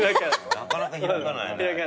なかなか開かない。